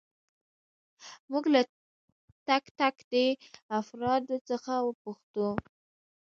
موږ له تک تک دې افرادو څخه پوښتو.